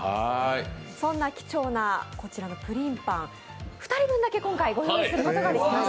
そんな貴重なこちらのプリンパン２人分だけ今回ご用意することができました。